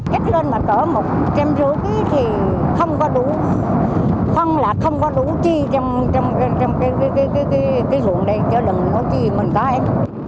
kết lên mà cỡ một trăm năm mươi kg thì không có đủ không là không có đủ chi trong cái luận đây cho đừng có chi mình có hết